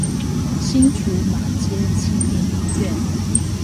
新竹馬偕紀念醫院